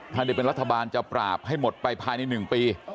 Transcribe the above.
ถ้าได้เป็นรัฐบาลจะปราบให้หมดไปภายใน๑ปี